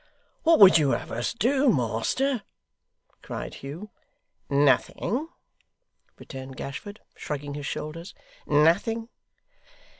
'What would you have us do, master!' cried Hugh. 'Nothing,' returned Gashford, shrugging his shoulders, 'nothing.